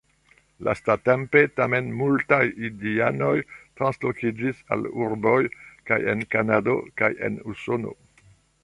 Lastatempe tamen multaj indianoj translokiĝis al urboj, kaj en Kanado, kaj en Usono.